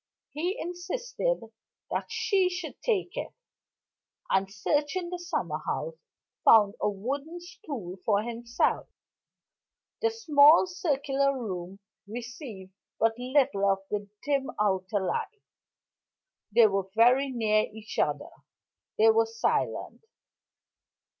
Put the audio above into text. He insisted that she should take it; and, searching the summer house, found a wooden stool for himself. The small circular room received but little of the dim outer light they were near each other they were silent.